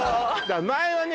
前はね